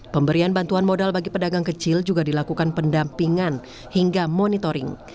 pemberian bantuan modal bagi pedagang kecil juga dilakukan pendampingan hingga monitoring